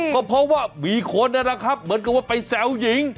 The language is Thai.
ก็เพราะว่ามีคนนะครับเหมือนกับว่าไปแซวหญิง